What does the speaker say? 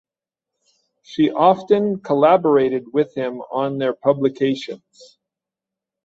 She often collaborated with him on their publications.